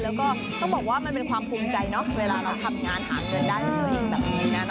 แล้วก็ต้องบอกว่ามันเป็นความภูมิใจเนาะเวลาเราทำงานหาเงินได้ตัวเองแบบนี้นะ